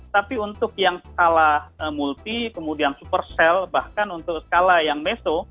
tapi untuk yang skala multi kemudian super sel bahkan untuk skala yang meso